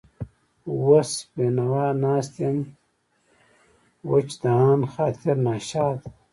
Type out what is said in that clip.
وس بېنوا ناست يم وچ دهن، خاطر ناشاده